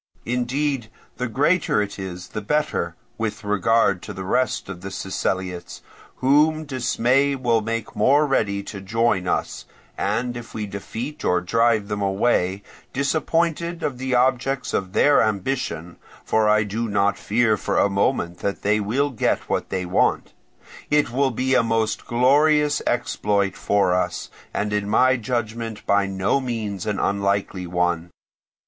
Indeed, the greater it is the better, with regard to the rest of the Siceliots, whom dismay will make more ready to join us; and if we defeat or drive them away, disappointed of the objects of their ambition (for I do not fear for a moment that they will get what they want), it will be a most glorious exploit for us, and in my judgment by no means an unlikely one.